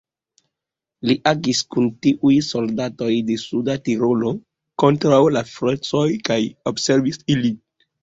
Li agis kun tiuj soldatoj de Suda Tirolo kontraŭ la francoj kaj observis ilin.